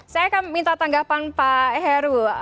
saya akan minta tanggapan pak heru